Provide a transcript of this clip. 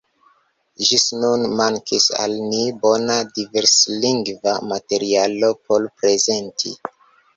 Ĝis nun mankis al ni bona diverslingva materialo por prezenti.